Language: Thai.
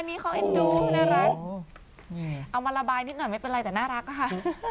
อันนี้เขาเอ็นดูไทยรัฐเอามาระบายนิดหน่อยไม่เป็นไรแต่น่ารักอะค่ะ